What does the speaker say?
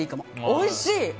おいしい！